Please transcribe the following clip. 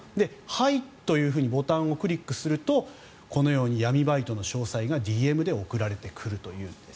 はいとボタンをクリックするとこのように闇バイトの詳細がＤＭで送られてくるという。